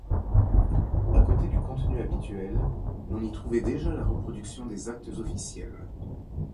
À côté du contenu habituel, l'on y trouvait déjà la reproduction des actes officiels.